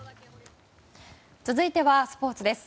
続いてはスポーツです。